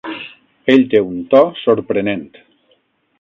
Ell té un to sorprenent.